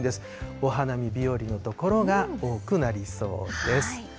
お花見日和の所が多くなりそうです。